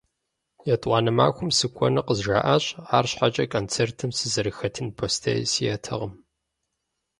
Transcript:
ЕтӀуанэ махуэм сыкӀуэну къызжаӀащ, арщхьэкӀэ концертым сызэрыхэтын бостей сиӀэтэкъым.